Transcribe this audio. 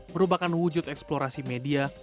merupakan wujud eksplorasi media